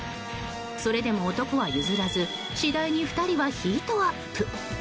それでも男は譲らず次第に２人はヒートアップ。